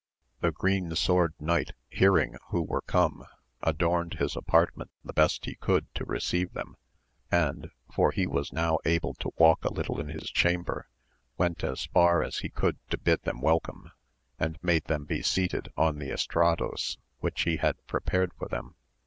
The Green Sword Knight hearing who were come, adorned his apartment the best he could to receive them, and, for he was now able to walk a little in his chamber, went as far as he could to bid them welcome, and made them be seated on the estrados which he had prepared for them, and VOL.